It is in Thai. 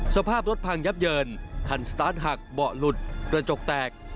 สภาพรถพังยับเยินคันสตาร์ทหักเบาะหลุดกระจกแตก